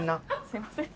すいません。